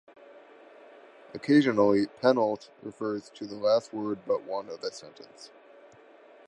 Occasionally, "penult" refers to the last word but one of a sentence.